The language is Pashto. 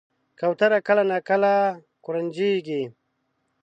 کوتره کله ناکله ګورجنیږي.